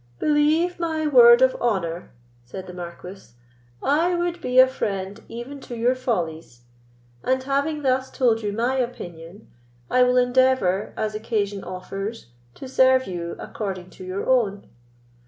"Believe my word of honour," said the Marquis, "I would be a friend even to your follies; and having thus told you my opinion, I will endeavour, as occasion offers, to serve you according to your own."